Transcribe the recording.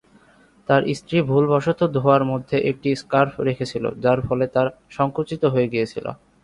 তার স্ত্রী ভুলবশত ধোয়ার মধ্যে একটা স্কার্ফ রেখেছিল, যার ফলে তা সঙ্কুচিত হয়ে গিয়েছিল।